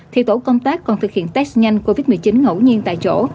thì tổ công tác còn thực hiện test nhanh covid một mươi chín ngẫu nhiên tại chỗ